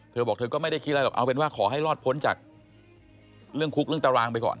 เธอบอกเธอก็ไม่ได้คิดอะไรหรอกเอาเป็นว่าขอให้รอดพ้นจากเรื่องคุกเรื่องตารางไปก่อน